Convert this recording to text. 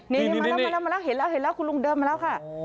นี่มาแล้วเห็นแล้วคุณลุงเดินมาแล้วค่ะ